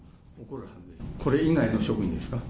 これ以外の職員ですか？